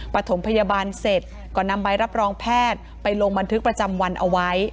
ปฐมพยาบาลเสร็จก็นำใบรับรองแพทย์ไปลงบันทึกประจำวันเอาไว้